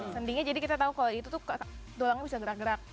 sendi nya jadi kita tahu kalau itu tulangnya bisa gerak gerak